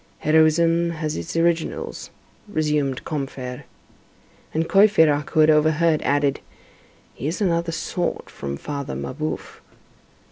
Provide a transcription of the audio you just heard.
"Heroism has its originals," resumed Combeferre. And Courfeyrac, who had overheard, added: "He is another sort from Father Mabeuf."